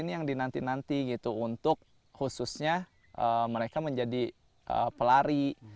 ini yang dinanti nanti gitu untuk khususnya mereka menjadi pelari